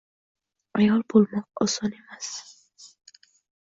Ayol boʻlmoq oson emas.